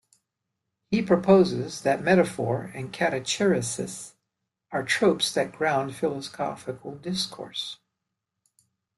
He proposes that metaphor and catachresis are tropes that ground philosophical discourse.